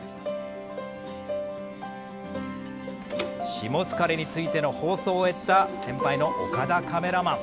しもつかれについての放送を終えた先輩の岡田カメラマン。